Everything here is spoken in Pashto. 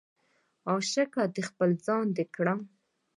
عشقه د خپل ځان دې کړم